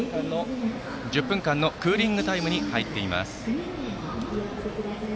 １０分間のクーリングタイムに入っています。